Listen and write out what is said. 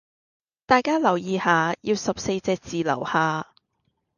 大家留意下要十四隻字樓下